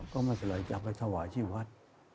ก็ไม่เป็นไรจะไปถวายที่วัด